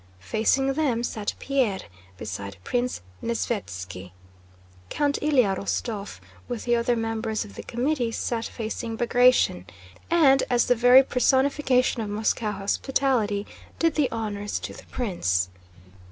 Facing them sat Pierre, beside Prince Nesvítski. Count Ilyá Rostóv with the other members of the committee sat facing Bagratión and, as the very personification of Moscow hospitality, did the honors to the prince.